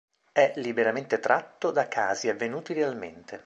È liberamente tratto da casi avvenuti realmente.